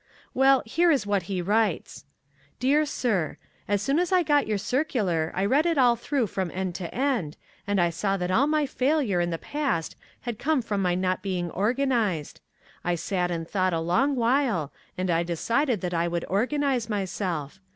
"Well, here is what he writes: Dear Sir: As soon as I got your circular I read it all through from end to end, and I saw that all my failure in the past had come from my not being organized. I sat and thought a long while and I decided that I would organize myself.